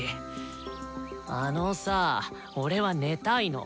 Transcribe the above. あのさぁ俺は寝たいの。